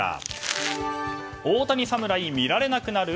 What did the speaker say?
大谷サムライ、見られなくなる？